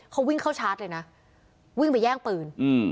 เขาวิ่งเข้าชาร์จเลยนะวิ่งไปแย่งปืนอืม